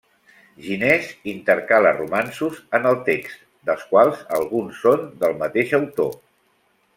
Ginés intercala romanços en el text, dels quals alguns són del mateix autor.